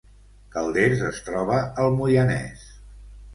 Calders es troba al Moianès